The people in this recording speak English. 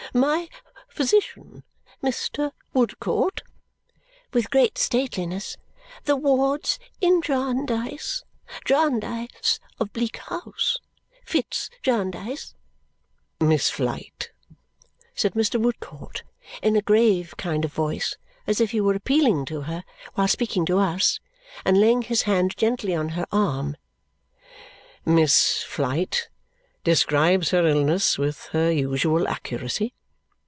My physician, Mr. Woodcourt!" with great stateliness. "The wards in Jarndyce Jarndyce of Bleak House Fitz Jarndyce!" "Miss Flite," said Mr. Woodcourt in a grave kind of voice, as if he were appealing to her while speaking to us, and laying his hand gently on her arm, "Miss Flite describes her illness with her usual accuracy.